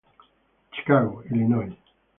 Chicago, Illinois.